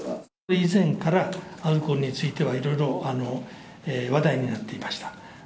以前から、アルコールについては、いろいろ話題になっていました。